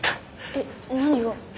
えっ何が？